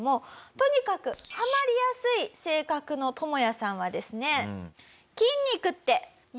とにかくハマりやすい性格のトモヤさんはですね。